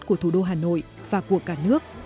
của thủ đô hà nội và của cả nước